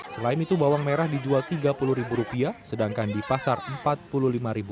selain itu bawang merah dijual rp tiga puluh sedangkan di pasar rp empat puluh lima